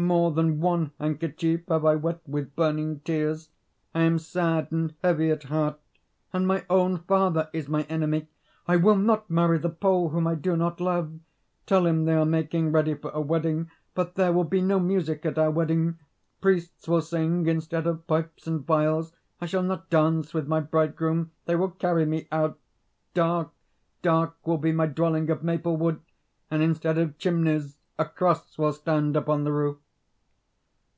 More than one handkerchief have I wet with burning tears. I am sad and heavy at heart. And my own father is my enemy. I will not marry the Pole, whom I do not love. Tell him they are making ready for a wedding, but there will be no music at our wedding: priests will sing instead of pipes and viols. I shall not dance with my bridegroom: they will carry me out. Dark, dark will be my dwelling of maple wood; and, instead of chimneys, a cross will stand upon the roof."